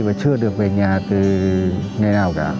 và chưa được về nhà từ ngày nào cả